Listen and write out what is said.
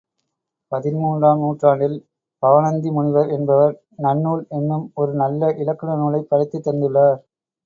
பதின் மூன்றாம் நூற்றாண்டில், பவணந்திமுனிவர் என்பவர், நன்னூல் என்னும் ஒரு நல்ல இலக்கண நூலைப் படைத்துத் தந்துள்ளார்.